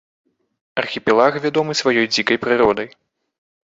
Архіпелаг вядомы сваёй дзікай прыродай.